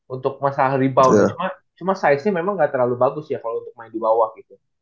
untuk masalah rebound cuma size nya memang gak terlalu bagus ya kalau untuk main di bawah gitu